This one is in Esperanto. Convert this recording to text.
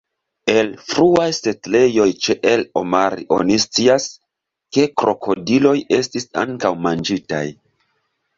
El fruaj setlejoj ĉe el-Omari oni scias, ke krokodiloj estis ankaŭ manĝitaj.